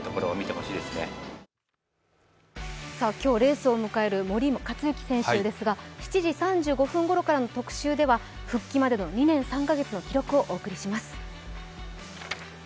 今日レースを迎える森且行選手ですが７時３５分ごろからの特集では復帰までの２年３か月をお送りします。